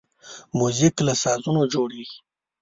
موزیک له سازونو جوړیږي.